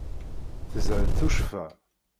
Teshel tuccfa.